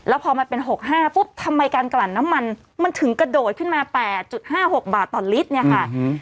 แล้วพอมันเป็น๖๕ปุ๊บทำไมการกลั่นน้ำมันมันถึงกระโดดขึ้นมา๘๕๖บาทต่อลิตรเนี่ยค่ะ